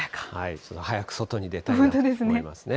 早く外に出たいと思いますね。